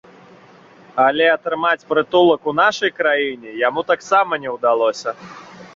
Але атрымаць прытулак у нашай краіне яму таксама не ўдалося.